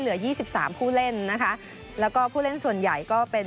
ยี่สิบสามผู้เล่นนะคะแล้วก็ผู้เล่นส่วนใหญ่ก็เป็น